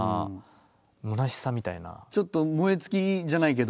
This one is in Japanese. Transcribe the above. ちょっと燃え尽きじゃないけど。